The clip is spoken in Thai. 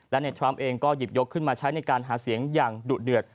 และในทรัมป์เองก็หยิบยกขึ้นมาใช้ในการหาเสียงอย่างดุเดือด